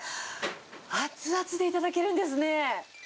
熱々で頂けるんですね。